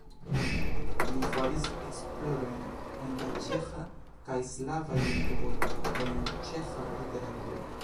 Li faris esplorojn en la ĉeĥa kaj slavaj lingvoj kaj en ĉeĥa literaturo.